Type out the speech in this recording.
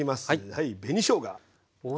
はい紅しょうが。